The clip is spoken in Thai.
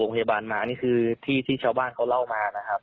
เพิ่งออกโรงโยบาลมาอันนี้คือที่เฉาร์บ้านเขาเล่ามานะครับ